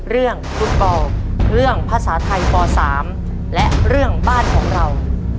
เรื่องฟุตบอลเรื่องภาษาไทยป๓และเรื่องบ้านของเรา